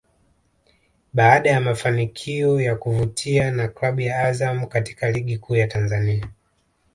Baada ya mafanikio ya kuvutia na klabu ya Azam katika Ligi Kuu ya Tanzania